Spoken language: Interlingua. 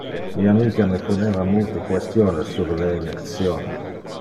Mi amica me poneva multe questiones sur le election.